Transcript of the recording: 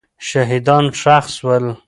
شهیدان ښخ سول.